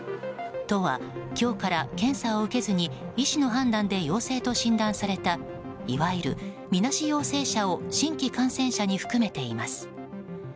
都は今日から検査を受けずに医師の判断で陽性と診断されたいわゆる、みなし陽性者を新規感染者に含めています。